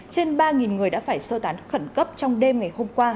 trên ba người đã phải sơ tán khẩn cấp trong đêm ngày hôm qua